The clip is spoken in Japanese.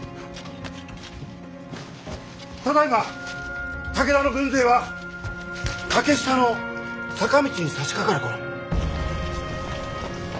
ただいま武田の軍勢は欠下の坂道にさしかかる頃。